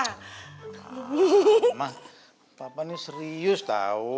mama papa ini serius tau